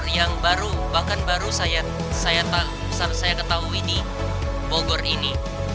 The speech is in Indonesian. yang baru bahkan baru saya ketahui di bogor ini